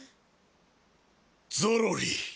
ゾロリ。